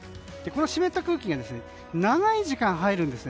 この湿った空気が長い時間入るんです。